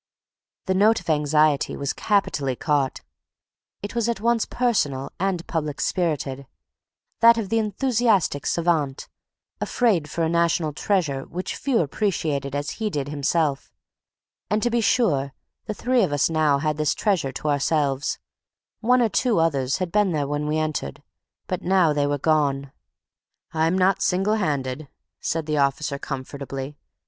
The note of anxiety was capitally caught; it was at once personal and public spirited, that of the enthusiastic savant, afraid for a national treasure which few appreciated as he did himself. And, to be sure, the three of us now had this treasury to ourselves; one or two others had been there when we entered; but now they were gone. "I'm not single handed," said the officer, comfortably.